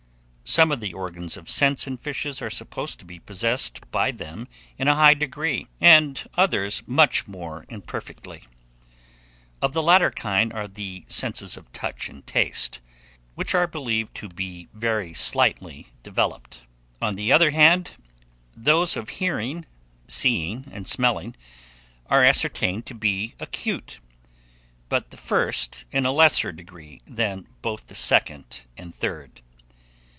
SOME OF THE ORGANS OF SENSE IN FISHES are supposed to be possessed by them in a high degree, and others much more imperfectly. Of the latter kind are the senses of touch and taste, which are believed to be very slightly developed. On the other hand, those of hearing, seeing, and smelling, are ascertained to be acute, but the first in a lesser degree than both the second and third.